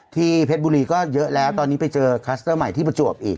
เพชรบุรีก็เยอะแล้วตอนนี้ไปเจอคลัสเตอร์ใหม่ที่ประจวบอีก